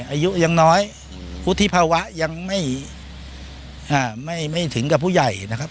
อายุยังน้อยวุฒิภาวะยังไม่ไม่ถึงกับผู้ใหญ่นะครับ